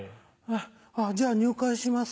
あじゃあ入会します。